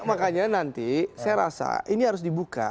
makanya nanti saya rasa ini harus dibuka